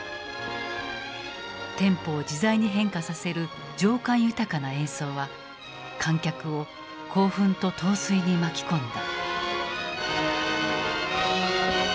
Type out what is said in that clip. テンポを自在に変化させる情感豊かな演奏は観客を興奮と陶酔に巻き込んだ。